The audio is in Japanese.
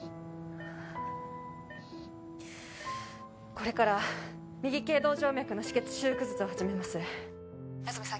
これから右頸動静脈の止血修復術を始めます夏梅さん